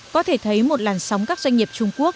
có thể thấy một làn sóng các doanh nghiệp trung quốc